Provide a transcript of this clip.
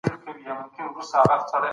ځکه موضوع پراخه ده.